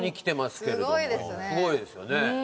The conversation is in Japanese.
すごいですよね。